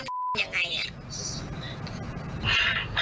คุณแค่ไม่บอยวา